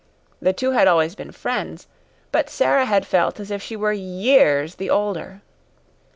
The two had always been friends, but Sara had felt as if she were years the older.